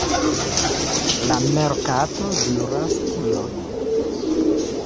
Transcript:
La merkato diras tion.